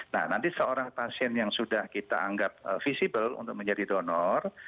nah nanti seorang pasien yang sudah kita anggap visible untuk menjadi donor